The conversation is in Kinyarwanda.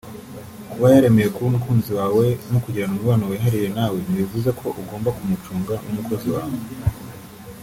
Kuba yaremeye kuba umukunzi wawe no kugirana umubano wihariye nawe ntibivuze ko ugomba kumucunga nk’umukozi wawe